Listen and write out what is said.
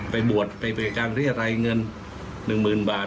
ไปบวชไปการเรียนไหลเงินหนึ่งหมื่นบาท